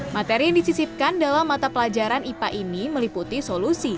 materi yang disisipkan dalam mata pelajaran ipa ini meliputi solusi